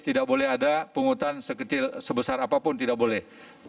tidak boleh ada pungutan sebesar apapun tidak boleh